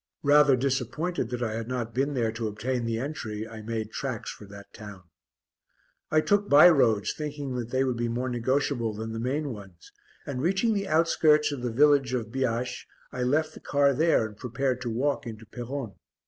Rather disappointed that I had not been there to obtain the entry, I made tracks for that town. I took by roads, thinking that they would be more negotiable than the main ones, and, reaching the outskirts of the village of Biaches, I left the car there and prepared to walk into Peronne.